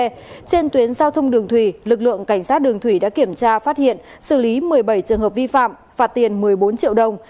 trên tuyến giao thông đường thủy lực lượng cảnh sát đường thủy đã kiểm tra phát hiện xử lý một mươi bảy trường hợp vi phạm phạt tiền một mươi bốn triệu đồng